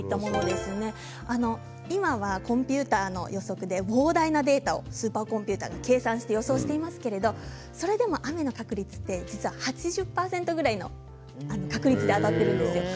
今はコンピューターの予測で膨大なデータをスーパーコンピューターが計算して予想していますけどそれでも雨の確率って実は８０％ぐらいの確率で当たっているんですよ。